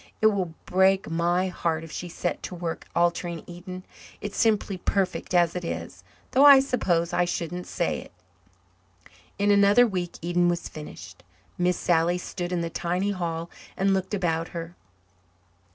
It will break my heart if she sets to work altering Eden. It's simply perfect as it is though I suppose I shouldn't say it." In another week Eden was finished. Miss Sally stood in the tiny hall and looked about her.